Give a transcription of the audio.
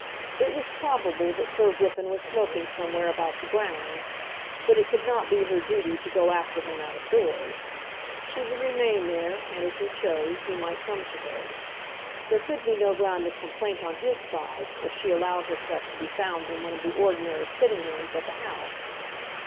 It was probable that Sir Griffin was smoking somewhere about the grounds, but it could not be her duty to go after him out of doors. She would remain there, and, if he chose, he might come to her. There could be no ground of complaint on his side if she allowed herself to be found in one of the ordinary sitting rooms of the house.